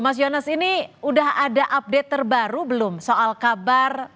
mas yonas ini sudah ada update terbaru belum soal kabar